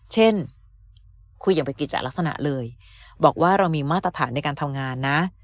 เช่นคุยอย่างเป็นกิจจากลักษณะเลยบอกว่าเรามีมาตรฐานในการทำงานนะ